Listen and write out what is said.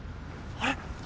あれ？